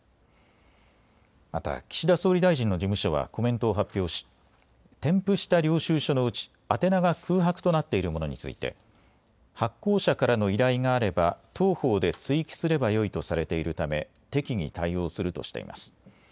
また、岸田総理大臣の事務所はコメントを発表し添付した領収書のうち宛名が空白となっているものについて発行者からの依頼があれば当方で追記すればよいとされているため適宜対応するとしています。